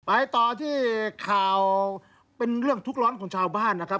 ไปต่อที่ข่าวเป็นเรื่องทุกร้อนของชาวบ้านนะครับ